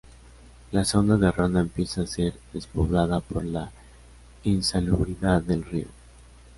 La zona de Ronda empieza a ser despoblada por la insalubridad del río.